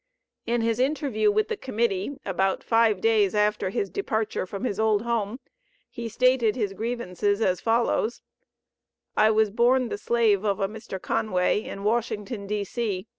In his interview with the Committee about five days after his departure from his old home, he stated his grievances as follows: "I was born the slave of a Mr. Conway, of Washington, D.C."